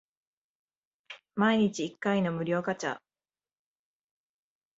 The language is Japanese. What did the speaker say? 毎日一回の無料ガチャ